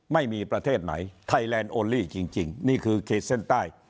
ไม่มีประเทศไหนไทยแลนด์โอลี่จริงนี่คือเขตเส้นใต้